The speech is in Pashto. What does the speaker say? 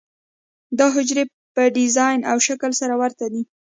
دا حجرې په ډیزاین او شکل کې سره ورته دي.